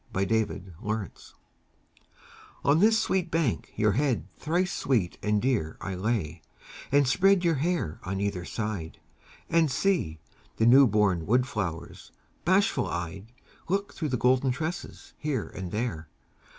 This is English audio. YOUTH'S SPRING TRIBUTE On this sweet bank your head thrice sweet and dear I lay, and spread your hair on either side, And see the newborn wood flowers bashful eyed Look through the golden tresses here and there.